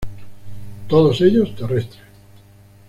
Todos ellos terrestres.